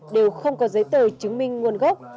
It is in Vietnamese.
đều không có giấy tờ chứng minh nguồn gốc